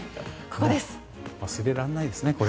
これは忘れられないですね。